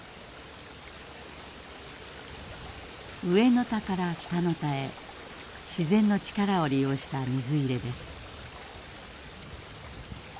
上の田から下の田へ自然の力を利用した水入れです。